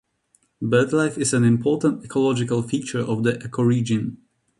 Bird life is an important ecological feature of the ecoregion.